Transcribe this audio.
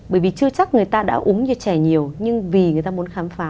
bởi vì chưa chắc người ta đã uống trè nhiều nhưng vì người ta muốn khám phá